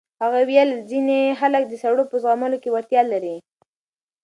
هغې وویل ځینې خلک د سړو په زغملو کې وړتیا لري.